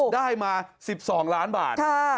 ได้มา๑๒ล้านบาท